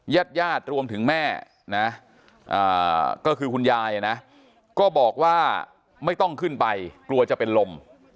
ญาติญาติรวมถึงแม่นะก็คือคุณยายนะก็บอกว่าไม่ต้องขึ้นไปกลัวจะเป็นลม